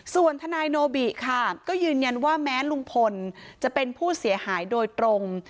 ส่วนทนายโนบิค่ะก็ยืนยันว่าแม้ลุงพลจะเป็นผู้เสียหายโดยตรง